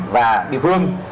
và địa phương